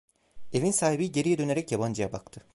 Evin sahibi geriye dönerek yabancıya baktı.